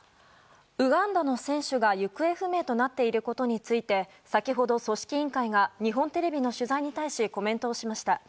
ウガンダの選手が行方不明となっていることについて先ほど組織委員会が日本テレビの取材に対しコメントをしました。